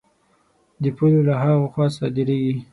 د پولو له هغه خوا صادرېږي.